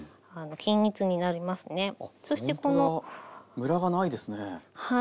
ムラがないですね。